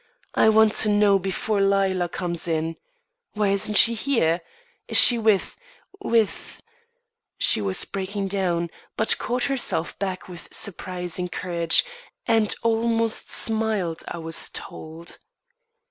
I want to know before Lila comes in. Why isn't she here? Is she with with " She was breaking down, but caught herself back with surprising courage, and almost smiled, I was told.